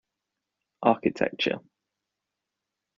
Architecture